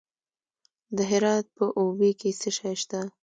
د هرات په اوبې کې څه شی شته؟